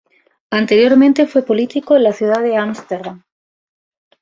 Anteriormente fue político en la ciudad de Ámsterdam.